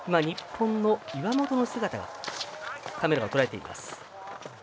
日本の岩本の姿をカメラがとらえています。